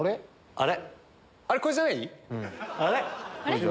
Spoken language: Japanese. あれ？